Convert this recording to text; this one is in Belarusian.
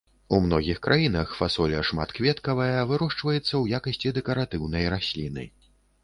У многіх краінах фасоля шматкветкавая вырошчваецца ў якасці дэкаратыўнай расліны.